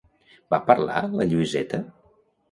Va parlar la Lluïseta?